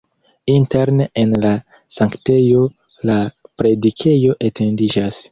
Interne en la sanktejo la predikejo etendiĝas.